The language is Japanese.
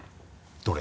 どれ？